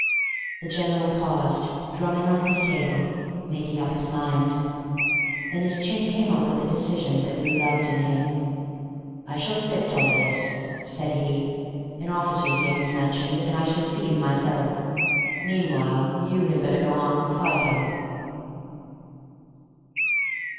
The General paused, drumming on his table, making up his mind. Then his chin came up with the decision that we loved in him. "I shall sift all this," said he. "An officer's name was mentioned, and I shall see him myself. Meanwhile you had better go on—fighting."